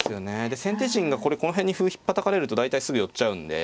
で先手陣がこの辺に歩ひっぱたかれると大体すぐ寄っちゃうんで。